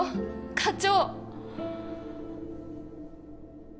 課長！